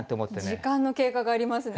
時間の経過がありますね。